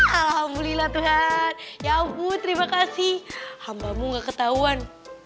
alhamdulillah tuhan ya ampun terima kasih hamba mu nggak ketahuan